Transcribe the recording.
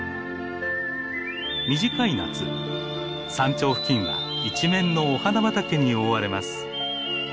短い夏山頂付近は一面のお花畑に覆われます。